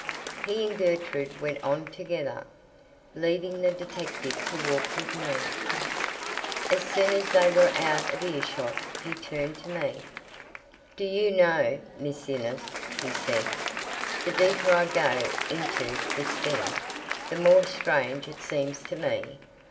He and Gertrude went on together, leaving the detective to walk with me. As soon as they were out of earshot, he turned to me. "Do you know, Miss Innes," he said, "the deeper I go into this thing, the more strange it seems to me.